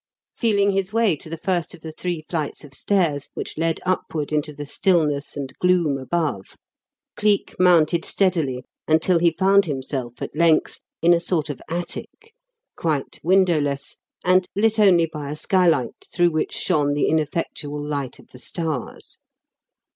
Feeling his way to the first of the three flights of stairs which led upward into the stillness and gloom above, Cleek mounted steadily until he found himself at length in a sort of attic quite windowless, and lit only by a skylight through which shone the ineffectual light of the stars.